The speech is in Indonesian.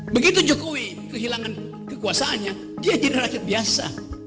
begitu jokowi kehilangan kekuasaannya dia jadi rakyat biasa